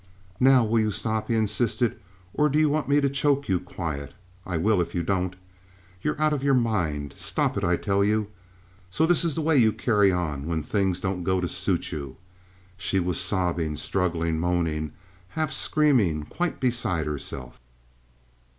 "Now will you stop," he insisted, "or do you want me to choke you quiet? I will, if you don't. You're out of your mind. Stop, I tell you! So this is the way you carry on when things don't go to suit you?" She was sobbing, struggling, moaning, half screaming, quite beside herself.